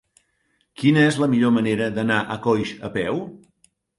Quina és la millor manera d'anar a Coix a peu?